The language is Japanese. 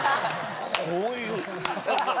こういう。